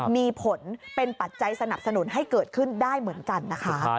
มีผลเป็นปัจจัยสนับสนุนให้เกิดขึ้นได้เหมือนกันนะคะ